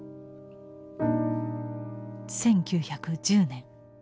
１９１０年。